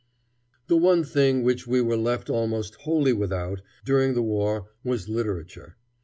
The one thing which we were left almost wholly without, during the war, was literature.